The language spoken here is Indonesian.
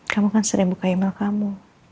kamu kan sering buka email kamu